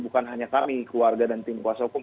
bukan hanya kami keluarga dan tim kuasa hukum